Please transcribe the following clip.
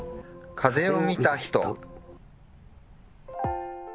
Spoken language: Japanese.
風を見た人。